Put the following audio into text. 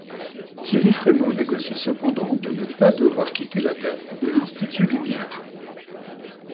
Thierry Frémaux négocie cependant de ne pas devoir quitter la tête de l'Institut Lumière.